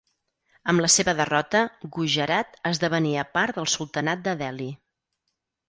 Amb la seva derrota, Gujarat esdevenia part del Sultanat de Delhi.